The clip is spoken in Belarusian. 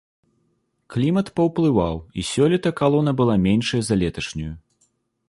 Клімат паўплываў, і сёлета калона была меншая за леташнюю.